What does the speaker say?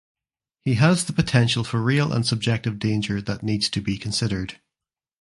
He has the potential for real and subjective danger that needs to be considered.